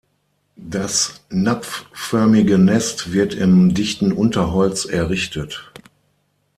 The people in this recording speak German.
Das napfförmige Nest wird im dichten Unterholz errichtet.